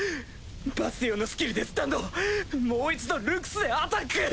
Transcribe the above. バスティオンのスキルでスタンドもう１度ルクスでアタック！